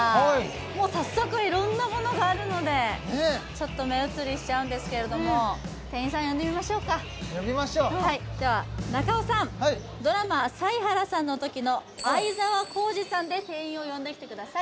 もう早速いろんなものがあるのでちょっと目移りしちゃうんですけれども呼びましょうでは中尾さんドラマ「サイハラさん」のときの愛沢浩司さんで店員を呼んできてください